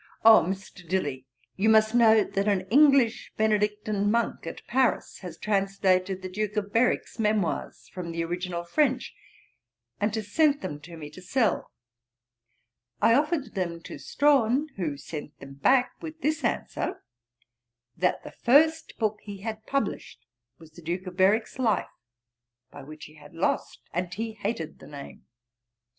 'O! Mr. Dilly you must know that an English Benedictine Monk at Paris has translated The Duke of Berwick's Memoirs, from the original French, and has sent them to me to sell. I offered them to Strahan, who sent them back with this answer: "That the first book he had published was the Duke of Berwick's Life, by which he had lost: and he hated the name."